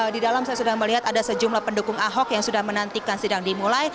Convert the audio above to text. di dalam saya sudah melihat ada sejumlah pendukung ahok yang sudah menantikan sidang dimulai